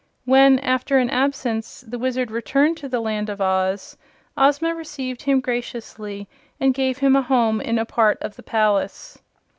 When, after an absence, the Wizard returned to the Land of Oz, Ozma received him graciously and gave him a home in a part of the palace.